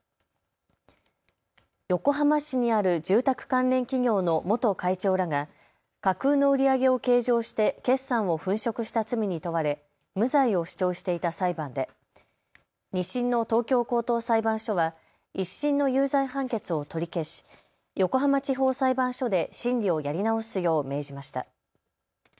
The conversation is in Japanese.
横浜市にある住宅関連企業の元会長らが架空の売り上げを計上して決算を粉飾した罪に問われ無罪を主張していた裁判で２審の東京高等裁判所は１審の有罪判決を取り消し横浜地方裁判所で審理をやり直すよう命じました。